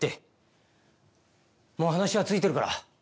もう話はついてるから。